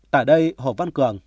tại đây hồ văn cường